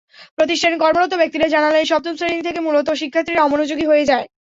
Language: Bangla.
প্রতিষ্ঠানে কর্মরত ব্যক্তিরা জানালেন, সপ্তম শ্রেণি থেকে মূলত শিক্ষার্থীরা অমনোযোগী হয়ে যায়।